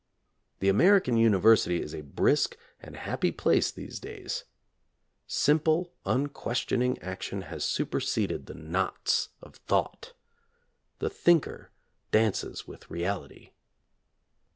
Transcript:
The American university is a brisk and happy place these days. Simple, unquestioning action has superseded the knots of thought. The thinker dances with reality.